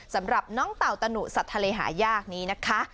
สำหรับน้องเต่าตะหนุสัตว์ทะเลหายากนี้นะคะ